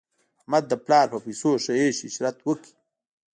احمد د پلا په پیسو ښه عش عشرت وکړ.